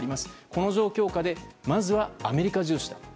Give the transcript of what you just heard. この状況下でまずはアメリカ重視だと。